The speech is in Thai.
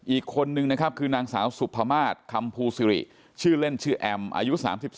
อีกคนนึงนะครับคือนางสาวสุภามาศคำภูสิริชื่อเล่นชื่อแอมอายุ๓๒